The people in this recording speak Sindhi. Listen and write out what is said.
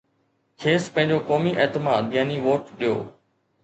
کيس پنهنجو قومي اعتماد يعني ووٽ ڏيو